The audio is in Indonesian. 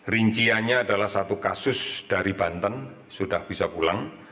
rinciannya adalah satu kasus dari banten sudah bisa pulang